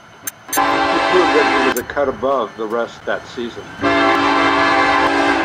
He proved that he was a cut above the rest that season.